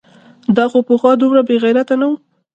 دا خو پخوا دومره بېغیرته نه و؟!